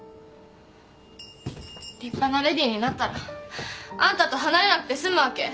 立派な淑女になったらあんたと離れなくて済むわけ？